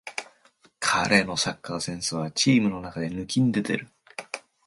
彼のサッカーセンスはチームの中で抜きんでてる